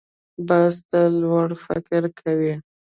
باز تل لوړ فکر کوي